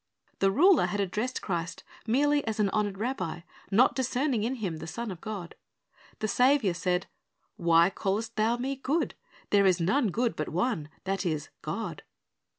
The ruler had addressed Christ merely as an honored rabbi, not discerning in Him the Son of God. The Saviour said, "Why callest thou Me good? There is none good but one, that is, God."